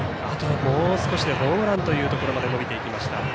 あともう少しでホームランというところまで伸びていきました。